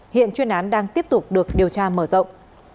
hiện chuyên án đang tiếp tục được điều tra mở rộng